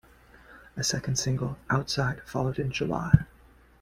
A second single, "Out-Side", followed in July.